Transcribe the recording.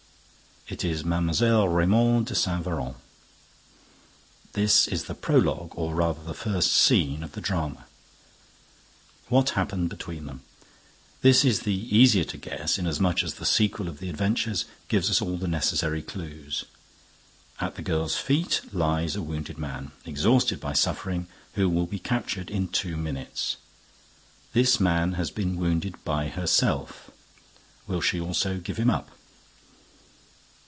It is Mlle. Raymonde de Saint Véran. This is the prologue or rather the first scene of the drama. What happened between them? This is the easier to guess inasmuch as the sequel of the adventure gives us all the necessary clues. At the girl's feet lies a wounded man, exhausted by suffering, who will be captured in two minutes. This man has been wounded by herself. Will she also give him up?